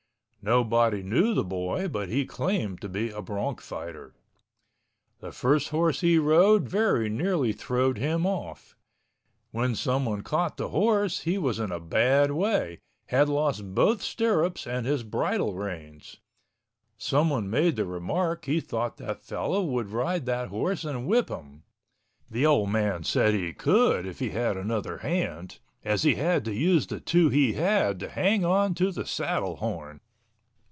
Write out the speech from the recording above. Nobody knew the boy but he claimed to be a bronc fighter. The first horse he rode very near throwed him off. When someone caught the horse he was in a bad way, had lost both stirrups and his bridle reins. Someone made the remark he thought that fellow would ride that horse and whip him. The old man said he could if he had another hand, as he had to use the two he had to hang onto the saddle horn.